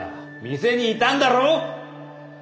店にいたんだろ！？